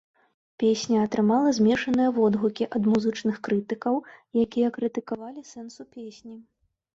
Песня атрымала змешаныя водгукі ад музычных крытыкаў, якія крытыкавалі сэнсу песні.